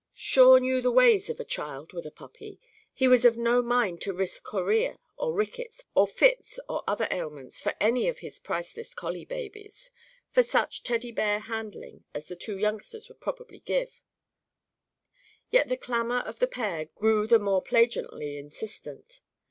Shawe knew the ways of a child with a puppy. He was of no mind to risk chorea or rickets or fits or other ailments, for any of his priceless collie babies; from such Teddy Bear handling as the two youngsters would probably give it. Yet the clamour of the pair grew the more plangently insistent.